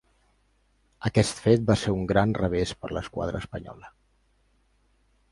Aquest fet va ser un gran revés per l'esquadra espanyola.